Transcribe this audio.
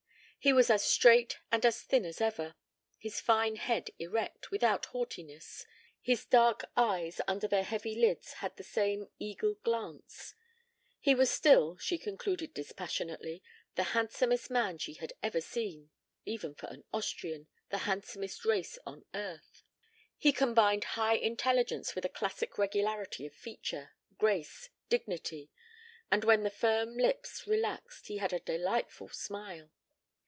He was as straight and as thin as ever, his fine head erect, without haughtiness; his dark eyes under their heavy lids had the same eagle glance. He was still, she concluded dispassionately, the handsomest man she had ever seen, even for an Austrian, the handsomest race on earth; he combined high intelligence with a classic regularity of feature, grace, dignity; and when the firm lips relaxed he had a delightful smile.